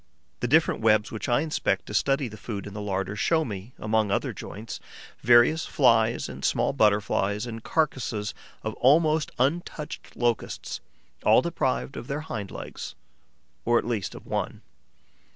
The different webs which I inspect to study the food in the larder show me, among other joints, various Flies and small Butterflies and carcasses of almost untouched Locusts, all deprived of their hind legs, or at least of one.